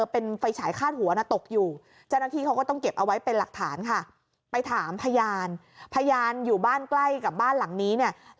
เป็นหลักฐานค่ะไปถามพยานพยานอยู่บ้านใกล้กับบ้านหลังนี้เนี่ย